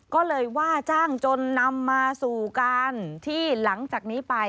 ก็เลยว่าจ้างจนนำมาสู่การที่หลังจากนี้ไป